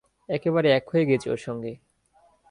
একেবারে এক হয়ে গেছি ওর সঙ্গে।